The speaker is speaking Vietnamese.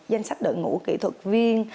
danh sách đội ngũ kỹ thuật viên